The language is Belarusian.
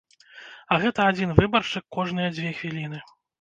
А гэта адзін выбаршчык кожныя дзве хвіліны.